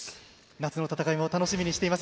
夏の戦いも楽しみにしています。